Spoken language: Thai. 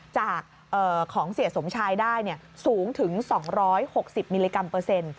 จากของเสียสมชายได้สูงถึง๒๖๐มิลลิกรัมเปอร์เซ็นต์